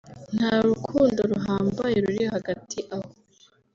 nta rukundo ruhambaye ruri hagati aho